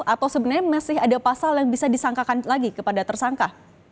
atau sebenarnya masih ada pasal yang bisa disangkakan lagi kepada tersangka